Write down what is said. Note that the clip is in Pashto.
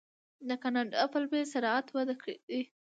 د کاناډا فلمي صنعت وده کړې.